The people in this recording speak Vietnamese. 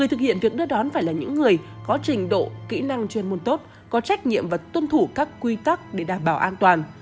thực hiện việc đưa đón phải là những người có trình độ kỹ năng chuyên môn tốt có trách nhiệm và tuân thủ các quy tắc để đảm bảo an toàn